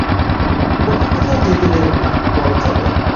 ওকে কোথাও যেতে দেন না, বলা চলে।